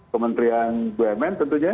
kementerian bumn tentunya